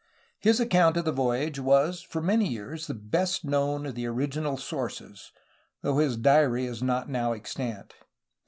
His account of the voyage was for many years the best known of the original sources, though his diary is not now extant.